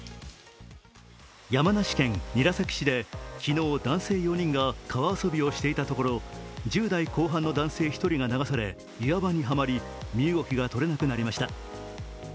山梨県韮崎市で昨日、男性４人が川遊びをしていたところ１０代後半の男性１人が流され岩場にはまり、身動きが取れなくなりました。